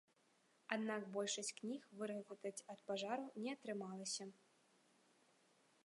Аднак большасць кніг выратаваць ад пажару не атрымалася.